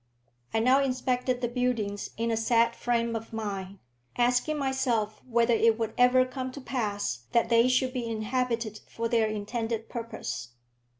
I now inspected the buildings in a sad frame of mind, asking myself whether it would ever come to pass that they should be inhabited for their intended purpose.